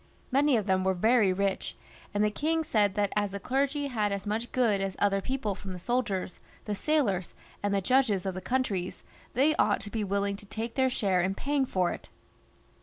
Many of them were very rich, and the kings said that as the clergy had as much good as other people from the soldiers, the sailors, and the judges of the countries, they ought to be willing to take their share in paying for it.